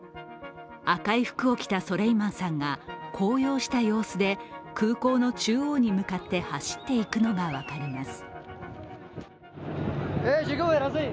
赤い服を着たソレイマンさんが高揚した様子で空港の中央に向かって走って行くのが分かります。